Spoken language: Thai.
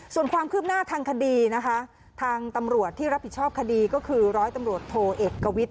ส่วนความคืบหน้าทางคดีนะคะทางตำรวจที่รับผิดชอบคดีก็คือ